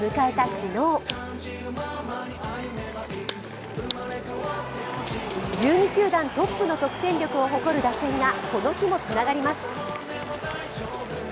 昨日１２球団トップの得点力を誇る打線がこの日もつながります。